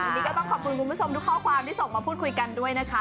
วันนี้ก็ต้องขอบคุณคุณผู้ชมทุกข้อความที่ส่งมาพูดคุยกันด้วยนะคะ